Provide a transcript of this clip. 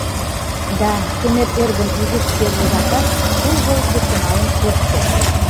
— Да, Шемер эргым изиш черлыракат, тул волгыдышто мален ок керт.